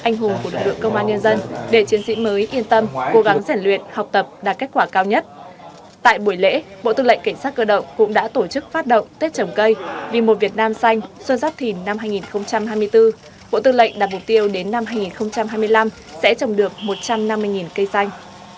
huấn luyện học tập đạt kết quả cao nhất tại buổi lễ bộ tư lệnh cảnh sát cơ động cũng đã tổ chức phát động tết trồng cây vì mùa việt nam xanh xuân sắp thìn năm hai nghìn hai mươi bốn bộ tư lệnh đạt mục tiêu đến năm hai nghìn hai mươi năm sẽ trồng được một trăm năm mươi cây xanh